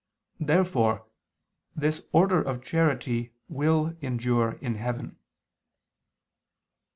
Therefore this order of charity will endure in heaven.